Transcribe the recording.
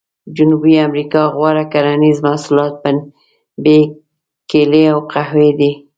جنوبي امریکا غوره کرنیز محصولات پنبې، کېلې او قهوې دي.